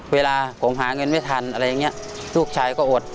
เวลาผมหาเงินไม่ทันอะไรอย่างนี้ลูกชายก็อด